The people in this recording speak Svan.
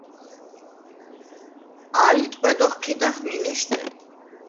ალი ტყვედ ოხჴიდახ მინეშთე.